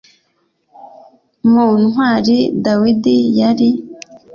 mu ntwari dawidi yari